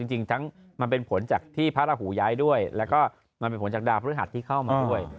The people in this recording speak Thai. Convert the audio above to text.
จริงทั้งมันเป็นผลจากที่พระราหูย้ายด้วยแล้วก็มันเป็นผลจากดาวพฤหัสที่เข้ามาด้วย